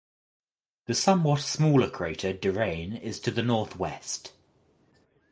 The somewhat smaller crater Derain is to the northwest.